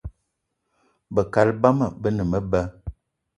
Be kaal bama be ne meba